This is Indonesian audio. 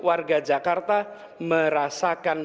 warga jakarta merasakan